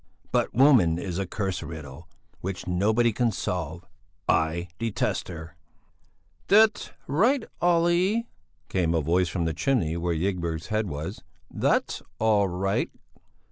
But woman is a cursed riddle, which nobody can solve; I detest her." "That's right, Olle," came a voice from the chimney, where Ygberg's head was; "that's all right."